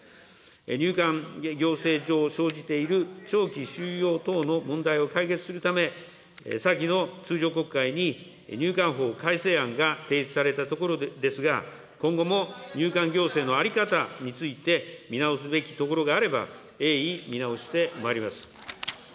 入管行政上生じている長期収容等の問題を解決するため、先の通常国会に入管法改正案が提出されたところですが、今後も入管行政の在り方について、見直すべきところがあれば、鋭意見直してまいります。